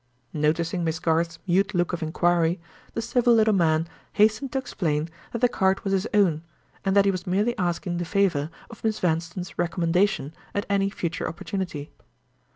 Noticing Miss Garth's mute look of inquiry, the civil little man hastened to explain that the card was his own, and that he was merely asking the favor of Miss Vanstone's recommendation at any future opportunity.